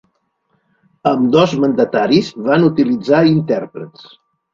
Ambdós mandataris van utilitzar intèrprets.